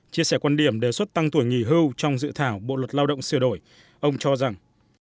chia sẻ quan điểm đề xuất tăng tuổi nghỉ hưu trong dự thảo bộ luật lao động sửa đổi ông cho rằng